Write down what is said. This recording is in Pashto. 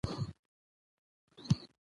د مېلو یوه موخه د کورنۍ اړیکي پیاوړي کول دي.